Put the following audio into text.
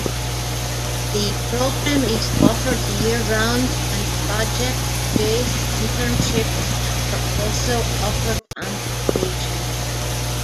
The program is offered year-round and project-based internships are also offered on occasion.